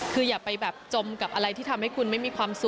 คืออย่าไปแบบจมกับอะไรที่ทำให้คุณไม่มีความสุข